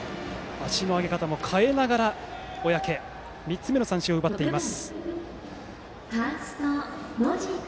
足の上げ方も変えながら、小宅３つ目の三振を奪っています。